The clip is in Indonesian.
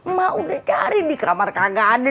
ma udah cari di kamar kagak ada